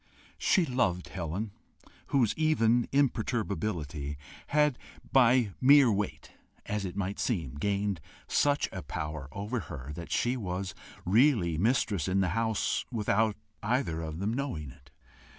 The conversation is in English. She loved Helen, whose even imperturbability had by mere weight, as it might seem, gained such a power over her that she was really mistress in the house without either of them knowing it.